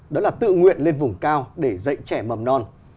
đó là tự nguyện lên vùng cao để dạy trẻ mầm non